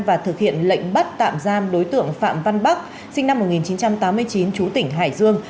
và thực hiện lệnh bắt tạm giam đối tượng phạm văn bắc sinh năm một nghìn chín trăm tám mươi chín chú tỉnh hải dương